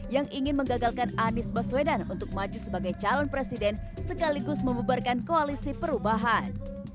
yang ingin menggagalkan anies baswedan untuk maju sebagai calon presiden sekaligus membubarkan koalisi perubahan